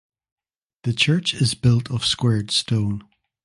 The church is built of squared stone.